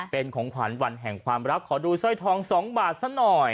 เป็นของขวัญวันแห่งความรักขอดูสร้อยทอง๒บาทซะหน่อย